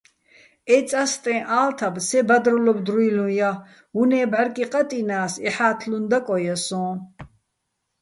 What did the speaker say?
ე წასტეჼ ა́ლთაბ სე ბადროლობ დრუჲლუჼ ჲა, უ̂ნე́ ბჵარკი ყატჲინა́ს, ეჰ̦ა́თლუჼ დაკოჲა სო́ჼ.